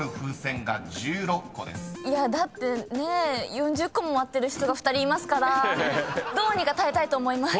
４０個も割ってる人が２人いますからどうにか耐えたいと思います。